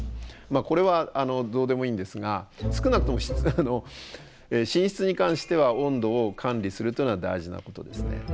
これはどうでもいいんですが少なくとも寝室に関しては温度を管理するというのは大事なことですね。